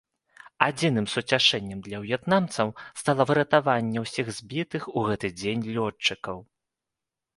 Адзіным суцяшэннем для в'етнамцаў стала выратаванне ўсіх збітых у гэты дзень лётчыкаў.